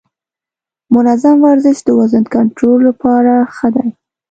منظم ورزش د وزن کنټرول لپاره ښه دی.